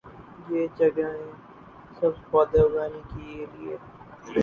یہ جگہیں سبز پودے اگانے کے لئے